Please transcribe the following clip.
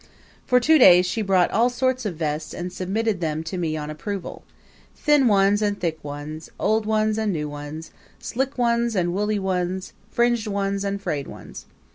For two days she brought all sorts of vests and submitted them to me on approval thin ones and thick ones; old ones and new ones; slick ones and woolly ones; fringed ones and frayed ones.